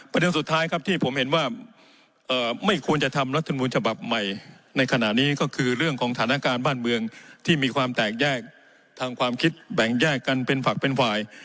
สุดท้ายครับที่ผมเห็นว่าไม่ควรจะทำรัฐมนูญฉบับใหม่ในขณะนี้ก็คือเรื่องของสถานการณ์บ้านเมืองที่มีความแตกแยกทางความคิดแบ่งแยกกันเป็นฝักเป็นฝ่าย